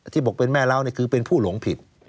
ที่บอกเป็นแม่เล้าคือเป็นผู้หลงผิด